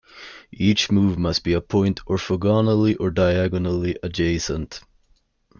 Each move must be to a point orthogonally or diagonally adjacent.